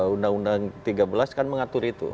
undang undang tiga belas kan mengatur itu